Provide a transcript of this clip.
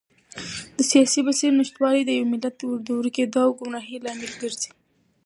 د سیاسي بصیرت نشتوالی د یو ملت د ورکېدو او ګمراهۍ لامل ګرځي.